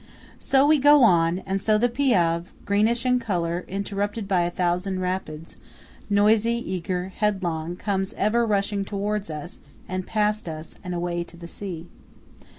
So we go on; and so the Piave, greenish grey in colour, interrupted by a thousand rapids, noisy, eager, headlong, comes ever rushing towards us, and past us, and away to the sea.